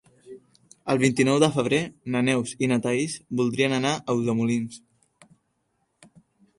El vint-i-nou de febrer na Neus i na Thaís voldrien anar a Ulldemolins.